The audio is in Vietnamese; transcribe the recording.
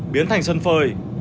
biến thành sân phơi